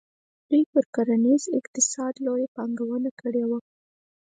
دوی پر کرنیز اقتصاد لویه پانګونه کړې وه.